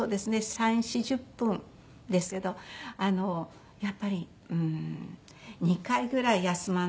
３０４０分ですけどやっぱり２回ぐらい休まないと途中。